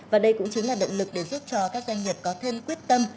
và đây cũng chính là động lực để giúp cho các doanh nghiệp có thêm quyết tâm